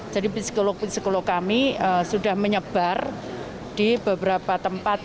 jadi psikolog psikolog kami sudah menyebar di beberapa tempat